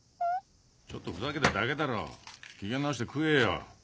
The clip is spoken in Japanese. ちょっとふざけただけだろ機嫌直して食えよ。